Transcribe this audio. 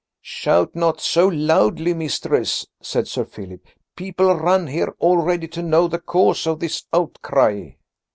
"Shout not so loudly, mistress!" said Sir Philip. "People run here already to know the cause of this outcry."